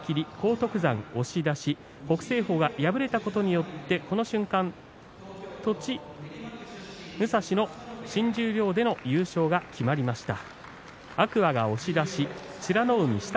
北青鵬が敗れたことによってこの瞬間、栃武蔵の新十両での優勝が決まりました。